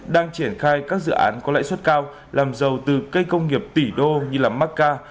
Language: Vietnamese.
đang triển khai các dự án có lãi suất cao làm giàu từ cây công nghiệp tỷ đô như macca